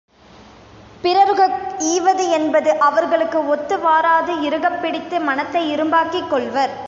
பிறருககு ஈவது என்பது அவர்களுக்கு ஒத்து வாராது இறுகப் பிடித்து மனத்தை இரும்பாக்கிக் கொள்வர்.